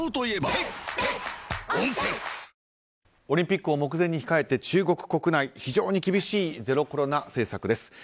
オリンピックを目前に控えて中国国内非常に厳しいゼロコロナ政策です。